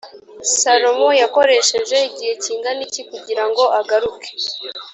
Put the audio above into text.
salomo yakoresheje igihe kingana iki kugira ngo agaruke‽